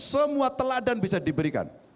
semua teladan bisa diberikan